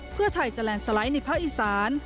เพื่อไทยจะแลนด์สไลด์ในภาคอีสาน